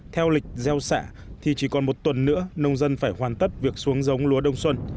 theo lịch gieo xạ thì chỉ còn một tuần nữa nông dân phải hoàn tất việc xuống giống lúa đông xuân